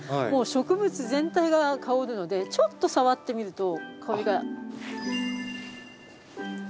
もう植物全体が香るのでちょっと触ってみると香りが。